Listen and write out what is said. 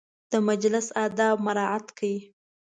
د مجلس اداب مراعت کړئ